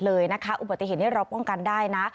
เลยนะคะอุบัติเหตุนี้เราป้องกันได้นะ